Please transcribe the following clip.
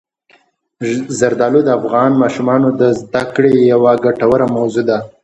زردالو د افغان ماشومانو د زده کړې یوه ګټوره موضوع ده.